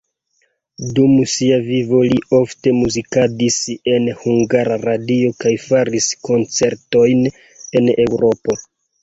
Dum sia vivo li ofte muzikadis en Hungara Radio kaj faris koncertojn en Eŭropo.